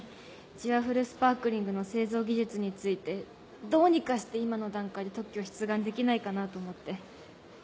「ジュワフルスパークリング」の製造技術についてどうにかして今の段階で特許出願できないかなと思って。